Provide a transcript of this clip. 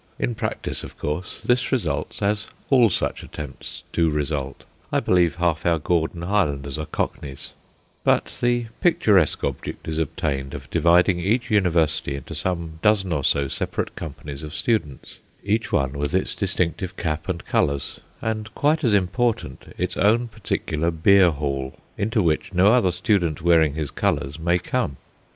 In practice, of course, this results as all such attempts do result I believe half our Gordon Highlanders are Cockneys but the picturesque object is obtained of dividing each University into some dozen or so separate companies of students, each one with its distinctive cap and colours, and, quite as important, its own particular beer hall, into which no other student wearing his colours may come.